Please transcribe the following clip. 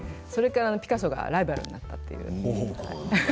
それからピカソがライバルになったと。